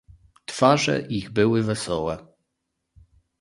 "Twarze ich były wesołe."